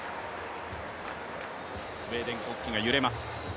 スウェーデン国旗が揺れます。